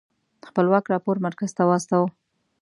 خپلواک راپور مرکز ته واستوه.